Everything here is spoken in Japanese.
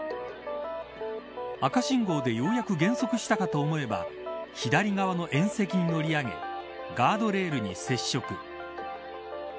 赤信号でようやく減速したかと思えば左側の縁石に乗り上げガードレールに接触。